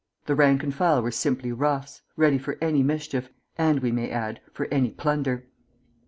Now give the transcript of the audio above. The rank and file were simply roughs, ready for any mischief, and, we may add, for any plunder."